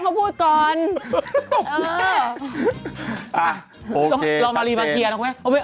อ่ะโอเคตั้งแต่รอมารีมาเคลียร์นะคุณแม่